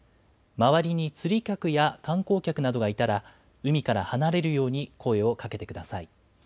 周りに釣り客や観光客などがいたら、海から離れるように声をかけてください。